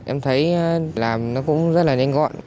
em thấy làm nó cũng rất là nhanh gọn